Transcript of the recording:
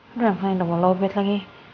udah yang paling udah mau lowbat lagi